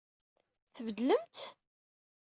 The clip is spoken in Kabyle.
Tbeddlem-tt?